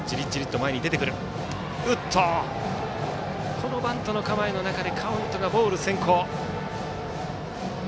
このバントの構えの中でカウントがボール先行。